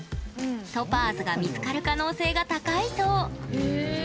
トパーズが見つかる可能性が高いそう。